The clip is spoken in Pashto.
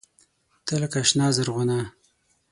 تۀ لکه “شنه زرغونه”